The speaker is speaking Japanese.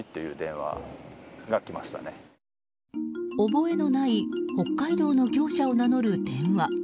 覚えのない北海道の業者を名乗る電話。